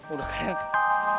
udah keren kan